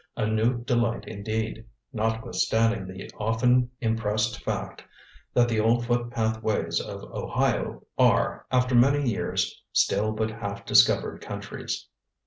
A new delight indeed, notwithstanding the often impressed fact that the old footpath ways of Ohio are, after many years, still but half discovered countries.